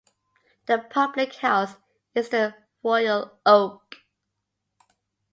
The public house is the Royal Oak.